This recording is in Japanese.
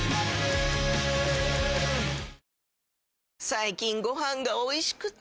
最近ご飯がおいしくて！